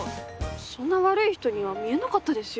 そんな悪い人には見えなかったですよ。